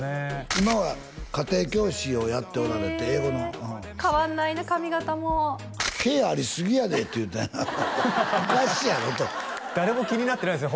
今は家庭教師をやっておられて英語の変わんないな髪形も毛ありすぎやでって言うたんやおかしいやろと誰も気になってないですね